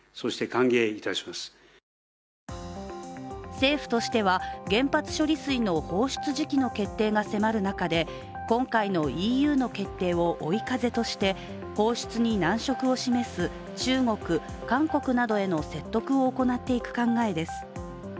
政府としては、原発処理水の放出時期の決定が迫る中で今回のＥＵの決定を追い風として放出に難色を示す中国、韓国などへの説得を行っていく考えです。